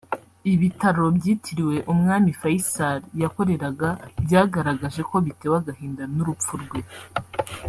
Ibitaro byitiriwe Umwami Faisal yakoreraga byagaragaje ko bitewe agahinda n’urupfu rwe